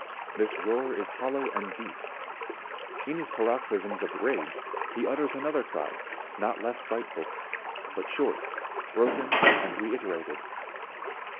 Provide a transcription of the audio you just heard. This roar is hollow and deep ; in his paroxysms of rage he utters another cry not less frightful, but short, broken, and reiterated.